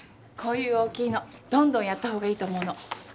こういう大きいのどんどんやった方がいいと思うの。